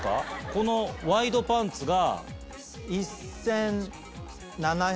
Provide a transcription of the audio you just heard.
このワイドパンツが。